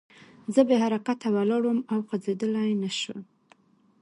زه بې حرکته ولاړ وم او خوځېدلی نه شوم